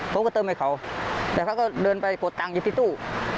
ผมก็เติมให้เขาแต่เขาก็เดินไปกดตังค์อยู่ที่ตู้